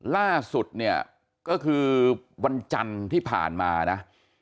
ล่าสุดเนี่ยก็คือวันจันทร์ที่ผ่านมานะ